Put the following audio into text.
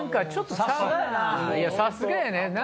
さすがやな。